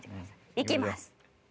いきます。